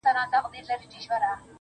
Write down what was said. نجلۍ ولاړه په هوا ده او شپه هم يخه ده,